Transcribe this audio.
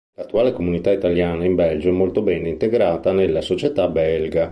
L'attuale comunità italiana in Belgio è molto bene integrata nella società belga.